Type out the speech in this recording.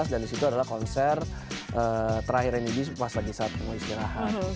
dan disitu adalah konser terakhir nidji pas lagi saat mau istirahat